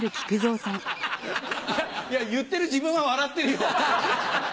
いや言ってる自分は笑ってるよ。